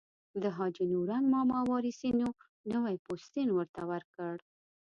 د حاجي نورنګ ماما وارثینو نوی پوستین ورته ورکړ.